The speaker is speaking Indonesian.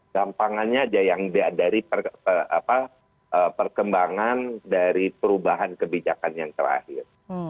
gampangannya aja yang dari perkembangan dari perubahan kebijakan yang terakhir